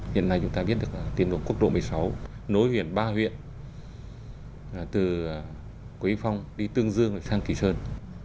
hiện nay chúng ta biết được là tuyến đường quốc độ một mươi sáu nối huyện ba huyện từ quý phong đi tương dương sang kỳ sơn